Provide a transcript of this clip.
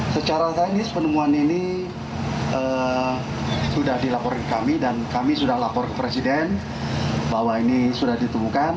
secara teknis penemuan ini sudah dilapor ke kami dan kami sudah lapor ke presiden bahwa ini sudah ditemukan